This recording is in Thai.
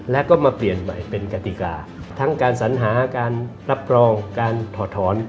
แล้วก็มาเปลี่ยนใหม่เป็นกติกาทั้งการสัญหาการรับรองการถอดถอน